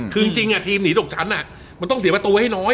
คือจริงอะทีมหนีสู่หลังจานมันต้องเสียประตูให้น้อย